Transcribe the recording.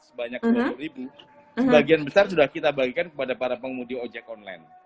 sebanyak dua puluh ribu sebagian besar sudah kita bagikan kepada para pengemudi ojek online